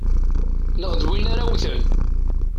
Neɣ d win ara wten.